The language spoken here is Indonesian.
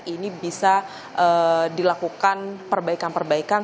ini bisa dilakukan perbaikan perbaikan